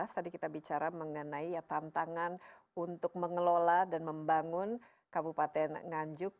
tadi kita bicara mengenai tantangan untuk mengelola dan membangun kabupaten nganjuk